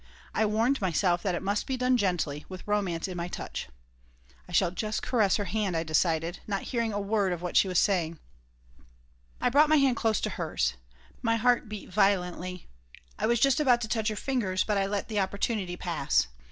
I warned myself that it must be done gently, with romance in my touch. "I shall just caress her hand," I decided, not hearing a word of what she was saving I brought my hand close to hers. My heart beat violently. I was just about to touch her fingers, but I let the opportunity pass.